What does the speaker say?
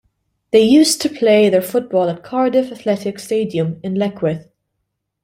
They used to play their football at Cardiff Athletics Stadium in Leckwith.